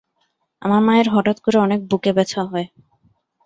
আমার মায়ের হঠাৎ করে অনেক বুকে ব্যথা হয়।